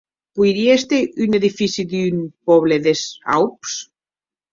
Poirie èster un edifici d'un pòble des Aups.